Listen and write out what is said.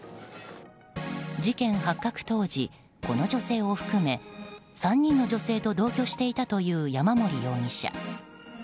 事件発覚当時、この女性を含め３人の女性と同居していたという山森容疑者。